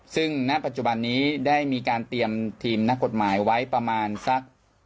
ซึ่งณปัจจุบันนี้ได้มีการเตรียมทีมนักกฎหมายไว้ประมาณสัก